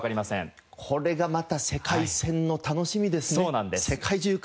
これがまた世界戦の楽しみですね。